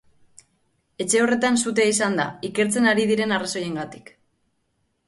Etxe horretan sutea izan da, ikertzen ari diren arrazoiengatik.